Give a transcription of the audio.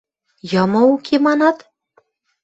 – Йымы уке манат?